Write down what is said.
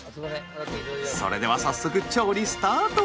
それでは早速調理スタート。